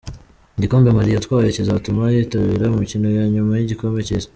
Igikombe Mali yatwaye kizatuma yitabira imikino ya nyuma y'igikombe cy'isi.